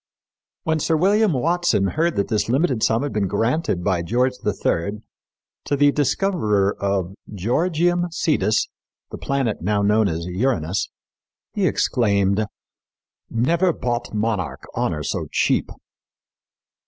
When Sir William Watson heard that this limited sum had been granted by George III to the discoverer of Georgium Sidus the planet now known as Uranus he exclaimed, "Never bought monarch honor so cheap."